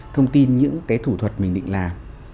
thông tin những cái thủ thuật mình định làm